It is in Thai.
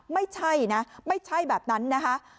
ไม่ใช่นะไม่ใช่แบบนั้นนะคะ